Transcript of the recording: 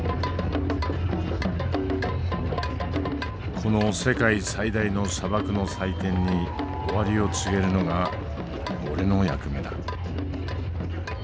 「この世界最大の砂漠の祭典に終わりを告げるのが俺の役目だ」。